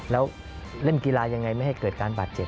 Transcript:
แล้วเล่นกีฬายังไงไม่ให้เกิดการบาดเจ็บ